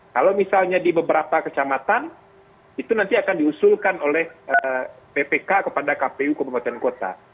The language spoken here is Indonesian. kalau misalnya di beberapa kecamatan itu nanti akan diusulkan oleh ppk kepada kpu kabupaten kota